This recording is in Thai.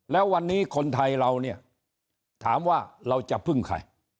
แล้ววันนี้คนไทยเราเนี่ยถามว่าเราจะพึ่งใคร